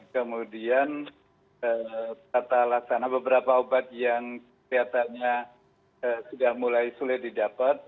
kemudian tata laksana beberapa obat yang kelihatannya sudah mulai sulit didapat